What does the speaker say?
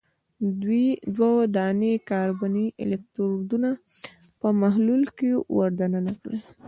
دوه دانې کاربني الکترودونه په محلول کې ور د ننه کړئ.